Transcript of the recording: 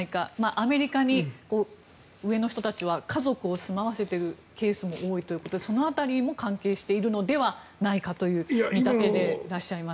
アメリカに上の人たちは家族を住まわせているケースも多くてその辺りも関係しているのではないかという見立てでいらっしゃいます。